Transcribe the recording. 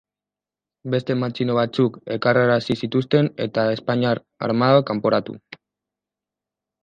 Beste matxino batzuk ekarrarazi zituzten, eta espainiar armada kanporatu.